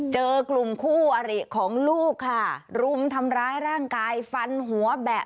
เจอกลุ่มคู่อริของลูกค่ะรุมทำร้ายร่างกายฟันหัวแบะ